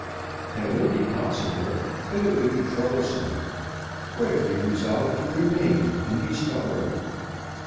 "That would be possible; but it would be troublesome. What if he resolved to remain and be starved?